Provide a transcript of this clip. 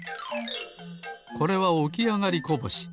これはおきあがりこぼし。